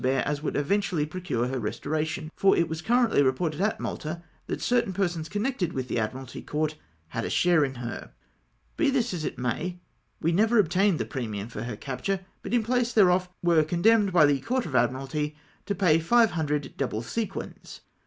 bear as w^ould eventually procure her restoration : for it was cmTcntly reported at Malta that certain persons connected with the Admii'alty Court had a share in her! Be this as it may, we never ob tained the premium for her capture, but in place thereof were condemned hy the Court of Admiralty to ixiy five Jaindred double sequins